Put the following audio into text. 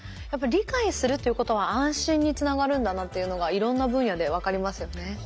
やっぱり理解するということは安心につながるんだなっていうのがいろんな分野で分かりますよね。